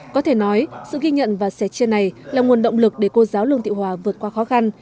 có thể nói sự ghi nhận và sẻ chia này là nguồn động lực để cô giáo lương thị hòa vượt qua khó khăn